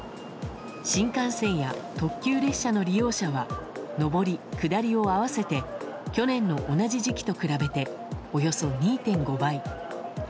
新幹線や特急列車の利用者は上り下りを合わせて去年の同じ時期と比べておよそ２．５倍。